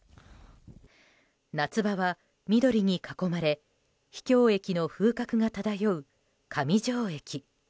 夏場は緑に囲まれ秘境駅の風格が漂う上条駅。